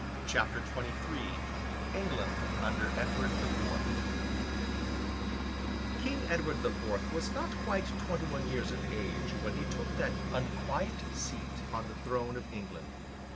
CHAPTER XXIII ENGLAND UNDER EDWARD THE FOURTH King Edward the Fourth was not quite twenty one years of age when he took that unquiet seat upon the throne of England.